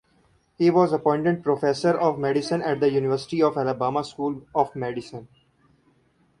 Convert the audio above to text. He was appointed professor of medicine at the University of Alabama School of Medicine.